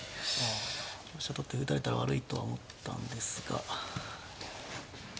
香車取って打たれたら悪いとは思ったんですが。